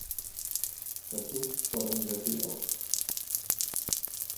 Dazu fordern wir Sie auf.